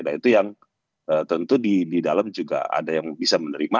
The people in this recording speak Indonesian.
nah itu yang tentu di dalam juga ada yang bisa menerima